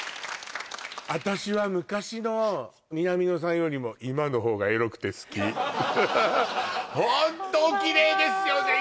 私は昔の南野さんよりも今の方がエロくて好きホントおキレイですよね